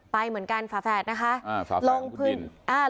ไปเหมือนกันฝาแฟดนะคะอ่าฝาแฟดของคุณดิน